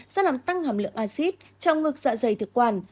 do làm tăng hầm lượng acid trong ngực dạ dày thực quản